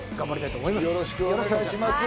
お願いします。